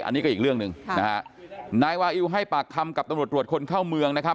อันนี้ก็อีกเรื่องหนึ่งนะฮะนายวาอิวให้ปากคำกับตำรวจตรวจคนเข้าเมืองนะครับ